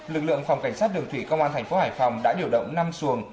lực lượng phòng cảnh sát đường thủy công an thành phố hải phòng đã điều động năm xuồng